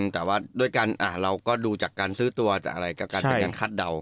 แต่ด้วยเราก็ดูจากการซื้อตัวจากการคัดเด้า